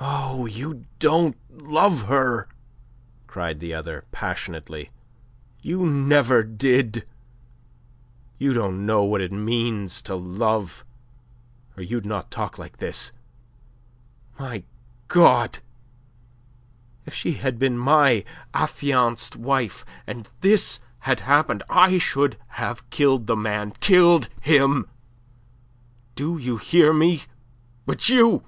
"Oh, you don't love her!" cried the other, passionately. "You never did. You don't know what it means to love, or you'd not talk like this. My God! if she had been my affianced wife and this had happened, I should have killed the man killed him! Do you hear me? But you...